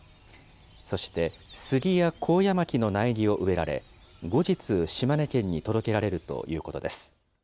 そしてスギやコウヤマキの苗木を植えられ、後日、島根県に届けられるということです。